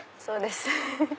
そうです。